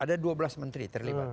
ada dua belas menteri terlibat